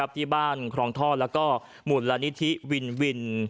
ที่บ้านคลองท่อและหมุนละนิทิวินวิน